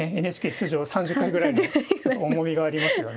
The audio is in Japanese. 出場３０回ぐらいの重みがありますよね。